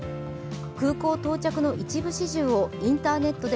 空港到着の一部始終をインターネットで